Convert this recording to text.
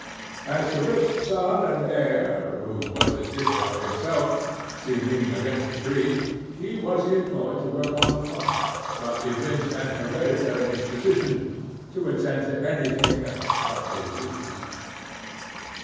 As to Rip's son and heir, who was the ditto of himself, seen leaning against the tree, he was employed to work on the farm; but evinced an hereditary disposition to attend to any thing else but his business.